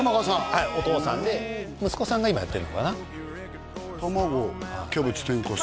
はいお父さんで息子さんが今やってるのかな卵キャベツ天かす